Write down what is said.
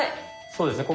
そうですね